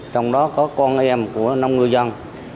trong đó có con em của năm người dân